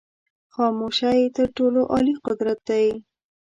خاموشی تر ټولو عالي قدرت دی.